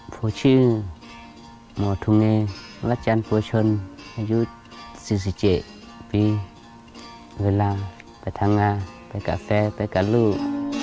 ชื่อหมอทุเมรัชันผัวชนอายุ๔๗ปีเวลาไปทำงานไปกาแฟไปกับลูก